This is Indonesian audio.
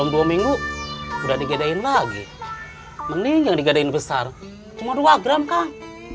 dua minggu udah digedain lagi mending yang digadain besar cuma dua gram kang